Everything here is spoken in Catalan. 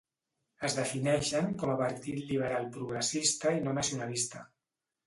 Es defineixen com a partit liberal-progressista i no nacionalista.